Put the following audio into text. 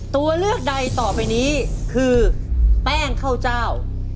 ตัวเลือกใดต่อไปนี้คือแป้งข้าวเจ้า